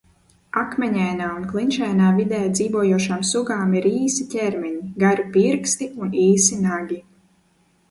Akmeņainā un klinšainā vidē dzīvojošām sugām ir īsi ķermeņi, gari pirksti un īsi nagi.